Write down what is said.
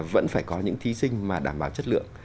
vẫn phải có những thí sinh mà đảm bảo chất lượng